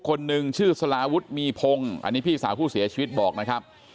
คนหนึ่งชื่อสลาวุฒิมีพงศ์อันนี้พี่สาวผู้เสียชีวิตบอกนะครับ